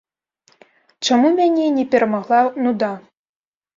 Чаму мяне не перамагла нуда?